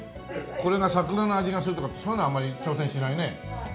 これがサクラの味がするとかってそういうのはあんまり挑戦しないね。